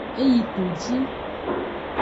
E yi toji.